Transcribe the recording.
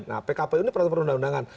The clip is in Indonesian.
nah pkpu ini peraturan perundang undangan